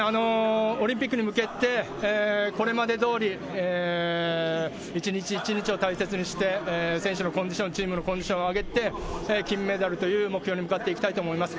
オリンピックに向けて、これまでどおり、一日一日を大切にして、選手のコンディションとチームのコンディションを上げて、金メダルという目標に向けて戦っていきます。